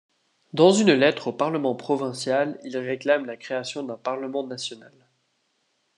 Dans une lettre au parlement provincial, il réclame la création d'un parlement national.